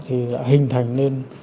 thì đã hình thành nên